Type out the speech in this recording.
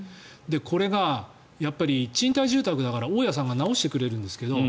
これがやっぱり賃貸住宅だから大家さんが直してくれるんですけど